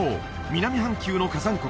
南半球の火山国